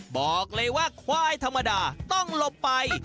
บอกเลยว่าควายธรรมดาต้องหลบไป